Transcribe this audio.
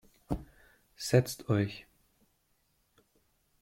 Setzt euch.